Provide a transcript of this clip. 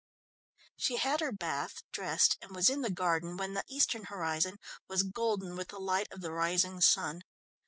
She had her bath, dressed, and was in the garden when the eastern horizon was golden with the light of the rising sun.